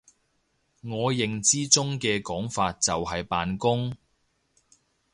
我認知中嘅講法就係扮工！